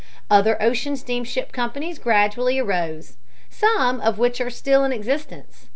Other ocean steamship companies gradually arose, some of which are still in existence.